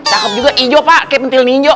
cakep juga hijau pak kayak pentil ninjo